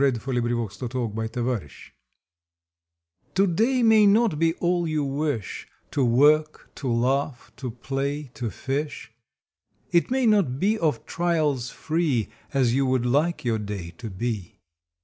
October Thirteenth THE BEST AVAILABLE T^O DAY may not be all you wish, To work, to laugh, to play, to fish. It may not be of trials free As you would like your day to be.